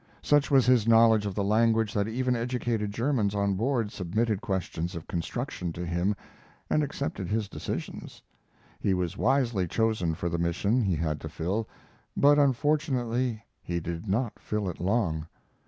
Such was his knowledge of the language that even educated Germans on board submitted questions of construction to him and accepted his decisions. He was wisely chosen for the mission he had to fill, but unfortunately he did not fill it long.